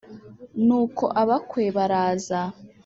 Nuko abakwe baraza,